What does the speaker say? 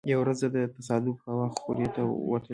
یوه ورځ زه تصادفا هوا خورۍ ته وتلی وم.